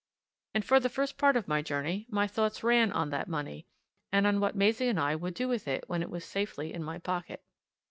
And for this first part of my journey my thoughts ran on that money, and on what Maisie and I would do with it when it was safely in my pocket.